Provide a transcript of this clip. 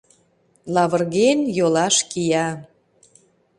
Лавырген, йолаш кия